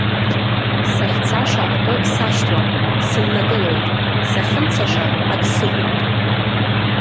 Сахьцаша акы сашьҭуам, сыннакылоит, сахьымцаша ак сыгәоит…